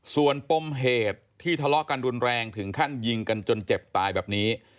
ส่วนปมเหตุที่ทะเลาะกันรุนแรงถึงขั้นยิงกันจนเจ็บตายแบบนี้